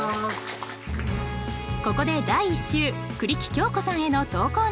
ここで第１週栗木京子さんへの投稿のご案内。